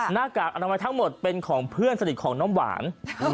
หน้ากากอนามัยทั้งหมดเป็นของเพื่อนสนิทของน้ำหวาน